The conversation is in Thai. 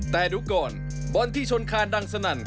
แต่ดูก่อนบอลที่ชนคานดังสนั่น